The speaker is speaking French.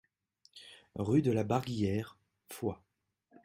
Rue de la Barguillère, Foix